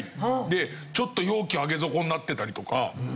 でちょっと容器上げ底になってたりとか。